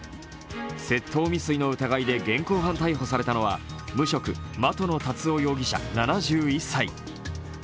窃盗未遂の疑いで現行犯逮捕されたのは無職、的野達生容疑者７１歳。